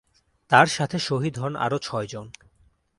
তার সাথে শহীদ হন আরো ছয়জন।